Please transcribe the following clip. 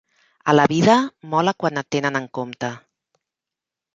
A la vida, mola quan et tenen en compte.